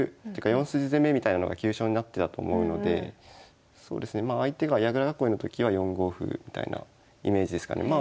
４筋攻めみたいなのが急所になってたと思うので相手が矢倉囲いのときは４五歩みたいなイメージですかね。